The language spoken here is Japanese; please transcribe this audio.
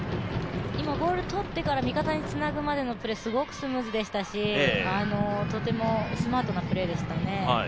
今、ボールとってから味方につなぐまでのプレーすごくスムーズでしたし、とてもスマートなプレーでしたね。